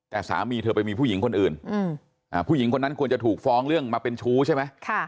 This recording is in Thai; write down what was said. แต่สามีเธอไปมีผู้หญิงคนอื่นผู้หญิงคนนั้นควรจะถูกฟ้องเรื่องมาเป็นชู้ใช่ไหม